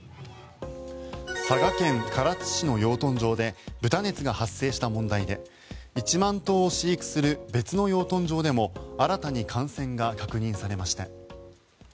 佐賀県唐津市の養豚場で豚熱が発生した問題で１万頭を飼育する別の養豚場でも新たに感染が確認されました。